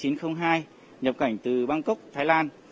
nhập cảnh từ bangkok thái lan